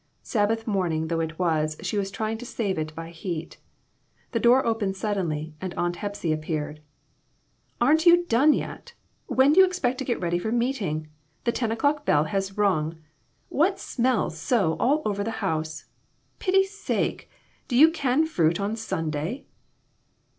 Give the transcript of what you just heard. Sabbath morning though it was, she was trying to save it by heat. The door opened suddenly, and Aunt Hepsy appeared. "Aren't you done yet? When do you expect to get ready for meeting ? The ten o'clock bell has rung. What smells so all over the house? Pity's sake! Do you can fruit on Sunday?